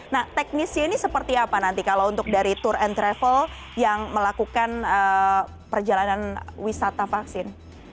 nah teknisnya ini seperti apa nanti kalau untuk dari tour and travel yang melakukan perjalanan wisata vaksin